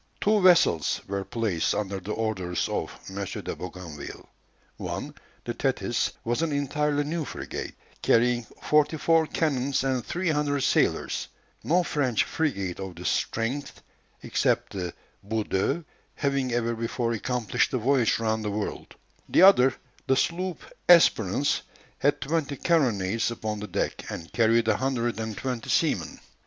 Two vessels were placed under the orders of M. de Bougainville. One, the Thetis, was an entirely new frigate, carrying forty four cannons and three hundred sailors, no French frigate of this strength, except the Boudeuse, having ever before accomplished the voyage round the world; the other, the sloop Espérance, had twenty carronades upon the deck, and carried a hundred and twenty seamen.